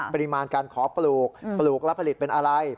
ปริมาณการขอปลูกปลูกและผลิตเป็นอะไร